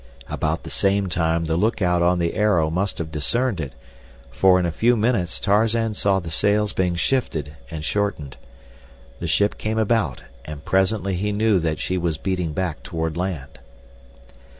About the same time the look out on the Arrow must have discerned it, for in a few minutes Tarzan saw the sails being shifted and shortened. The ship came about, and presently he knew that she was beating back toward land.